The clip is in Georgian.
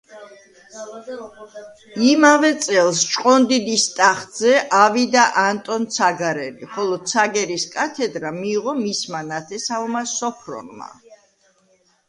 იმავე წელს ჭყონდიდის ტახტზე ავიდა ანტონ ცაგარელი, ხოლო ცაგერის კათედრა მიიღო მისმა ნათესავმა სოფრონმა.